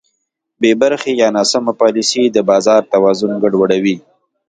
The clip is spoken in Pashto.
بېبرخې یا ناسمه پالیسي د بازار توازن ګډوډوي.